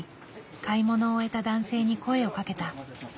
買い物を終えた男性に声をかけた。